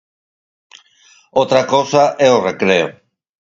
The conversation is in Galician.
Outra cousa é o recreo.